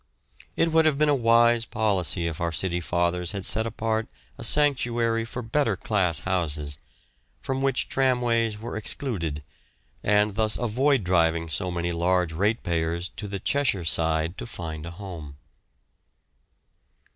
It would have been a wise policy if our City Fathers had set apart a sanctuary for better class houses, from which tramways were excluded, and thus avoid driving so many large ratepayers to the Cheshire side to find a home.